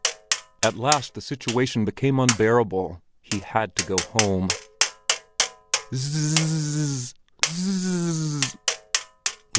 At last the situation became unbearable: he had to go home! _Zzzz! Zzzz!